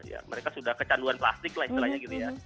ya mereka sudah kecanduan plastik lah istilahnya gitu ya